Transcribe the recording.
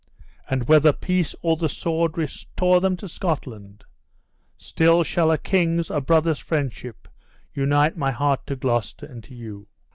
And whether peace or the sword restore them to Scotland, still shall a king's, a brother's friendship unite my heart to Gloucester and to you."